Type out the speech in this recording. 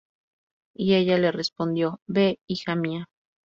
Y ella le respondió: Ve, hija mía.